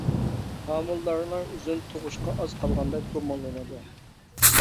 ھامىلىدارلار ئۆزىنى تۇغۇشقا ئاز قالغاندەك گۇمانلىنىدۇ.